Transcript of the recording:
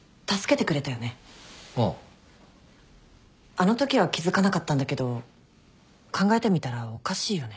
あのときは気付かなかったんだけど考えてみたらおかしいよね？